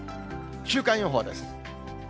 週間予報です。